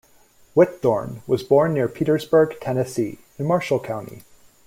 Whitthorne was born near Petersburg, Tennessee in Marshall County.